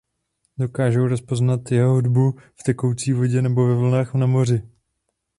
Dokážou rozpoznat jeho hudbu v tekoucí vodě nebo ve vlnách na moři.